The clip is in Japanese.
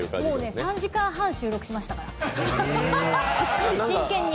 ３時間半収録しましたから、真剣に。